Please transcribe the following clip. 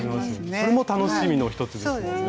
それも楽しみの一つですよね。